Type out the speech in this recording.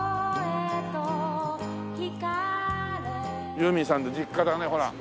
ユーミンさんの実家だねほら。